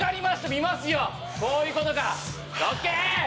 見ますよこういうことかＯＫ！